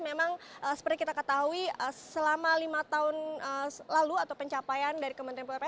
memang seperti kita ketahui selama lima tahun lalu atau pencapaian dari kementerian pupr